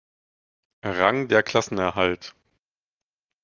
Rang der Klassenerhalt.